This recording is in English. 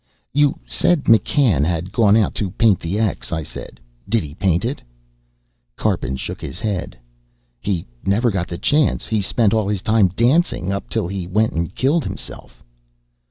"You said McCann had gone out to paint the X," I said. "Did he paint it?" Karpin shook his head. "He never got a chance. He spent all his time dancing, up till he went and killed himself."